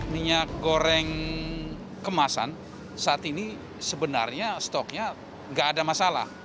minyak goreng kemasan saat ini sebenarnya stoknya nggak ada masalah